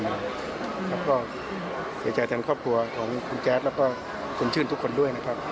แล้วก็เสียใจแทนครอบครัวของคุณแจ๊ดแล้วก็คุณชื่นทุกคนด้วยนะครับ